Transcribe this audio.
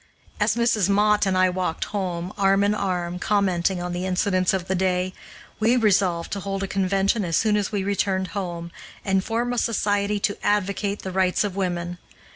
As Mrs. Mott and I walked home, arm in arm, commenting on the incidents of the day, we resolved to hold a convention as soon as we returned home, and form a society to advocate the rights of women.